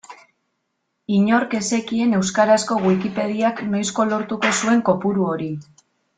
Inork ez zekien euskarazko Wikipediak noizko lortuko zuen kopuru hori.